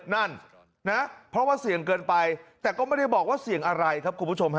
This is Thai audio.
นั่นนะเพราะว่าเสี่ยงเกินไปแต่ก็ไม่ได้บอกว่าเสี่ยงอะไรครับคุณผู้ชมฮะ